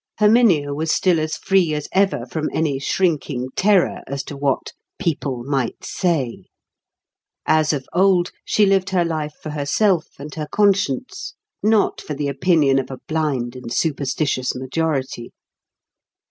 Herminia was still as free as ever from any shrinking terror as to what "people might say;" as of old, she lived her life for herself and her conscience, not for the opinion of a blind and superstitious majority.